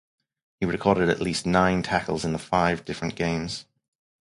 He recorded at least nine tackles in five different games.